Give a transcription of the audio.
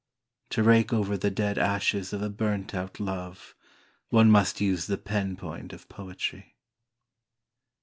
To rake over the dead ashes of a burnt out love one must use the pen point of poetry.